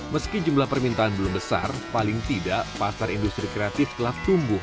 meski jumlah permintaan belum besar paling tidak pasar industri kreatif telah tumbuh